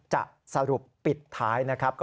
จะสรุปปิดท้ายนะครับ